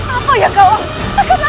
apa yang kau lakukan